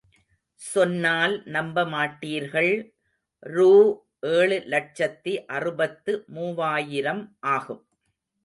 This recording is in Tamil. சொன்னால் நம்பமாட்டீர்கள் ரூ.ஏழு லட்சத்தி அறுபத்து மூவாயிரம் ஆகும்.